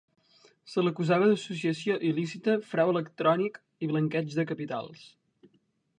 Se l'acusava d'associació il·lícita, frau electrònic i blanqueig de capitals.